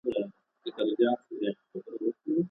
د هېواد تولیدي ځواکونه باید لا پیاوړي سي.